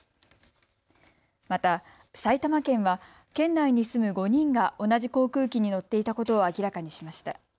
また埼玉県は県内に住む５人が同じ航空機に乗っていたことを明らかにしました。